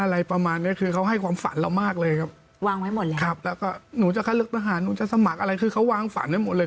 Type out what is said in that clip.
อะไรประมาณเนี้ยคือเขาให้ความฝันเรามากเลยครับวางไว้หมดแล้วครับแล้วก็หนูจะคัดเลือกทหารหนูจะสมัครอะไรคือเขาวางฝันให้หมดเลย